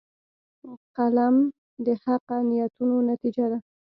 قلم د حقه نیتونو نتیجه ده